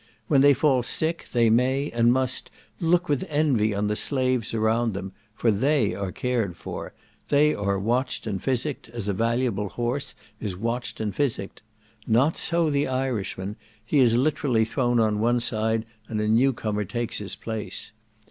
When they fall sick, they may, and must, look with envy on the slaves around them; for they are cared for; they are watched and physicked, as a valuable horse is watched and physicked: not so the Irishman, he is literally thrown on one side, and a new comer takes his place.